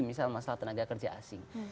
misal masalah tenaga kerja asing